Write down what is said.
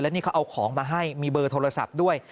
นี่เขาเอาของมาให้มีเบอร์โทรศัพท์ด้วย